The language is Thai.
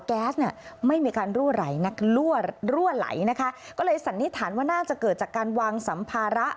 แก๊สไม่มีการรั่วไหลนะก็เลยสันนิษฐานว่าน่าจะเกิดจากการวางสัมภาระ